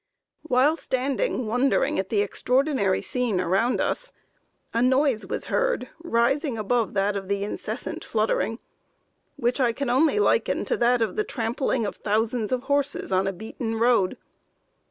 "While standing wondering at the extraordinary scene around us, a noise was heard rising above that of the incessant fluttering which I can only liken to that of the trampling of thousands of horses on a beaten road.